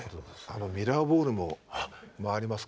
あのミラーボールも回りますから。